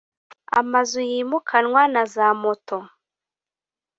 amazu yimukanwa na za moto